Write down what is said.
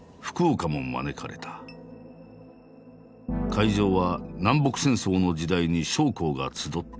会場は南北戦争の時代に将校が集ったホール。